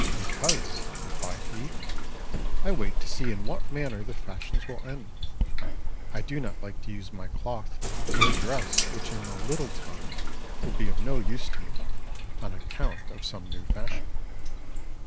'Because' replied he, 'I wait to see in what manner the fashions will end. I do not like to use my cloth for a dress which in a little time will be of no use to me, on account of some new fashion.